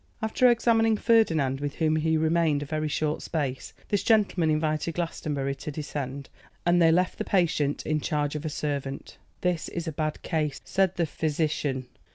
After examining Ferdinand, with whom he remained a very short space, this gentleman invited Glastonbury to descend, and they left the patient in charge of a servant. 'This is a bad case,' said the physician.